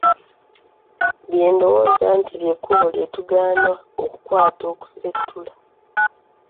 Bye ndowooza nti lye kkubo lye tugwana okukwata okuseetula.